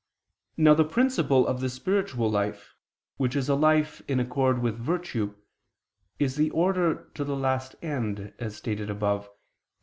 Now the principle of the spiritual life, which is a life in accord with virtue, is the order to the last end, as stated above (Q.